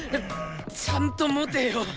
ちゃんと持てよ！